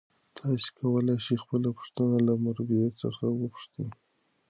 تاسي کولای شئ خپله پوښتنه له مربی څخه وپوښتئ.